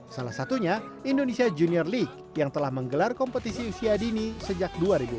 salah satunya indonesia junior league yang telah menggelar kompetisi usia dini sejak dua ribu empat belas